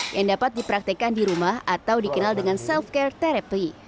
yang dapat dipraktekan di rumah atau dikenal dengan self care therapy